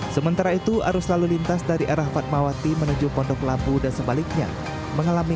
sementara itu arus lalu lintas dari arah fatmawati menuju pondok labu dan sebaliknya mengalami